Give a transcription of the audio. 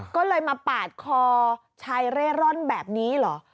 ก็เลยมาปาดคอชายเร่ร่อนแบบนี้เหรอ